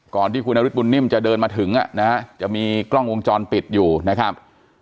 ก่อนที่คุณนฤทธบุญนิ่มจะเดินมาถึงจะมีกล้องวงจรปิดอยู่นะครับ